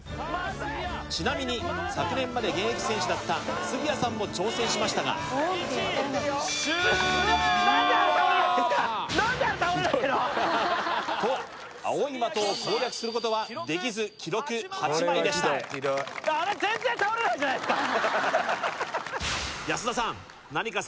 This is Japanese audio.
ちなみに昨年まで現役選手だった杉谷さんも挑戦しましたが１終了！と青い的を攻略することはできず記録８枚でした安田さん